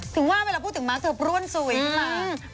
ถึงว่าเวลาพูดถึงมาร์คจะบร่วนสุยพี่มาร์ค